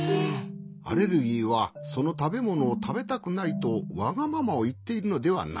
アレルギーはそのたべものをたべたくないとわがままをいっているのではない。